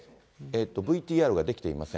ＶＴＲが出来ていません。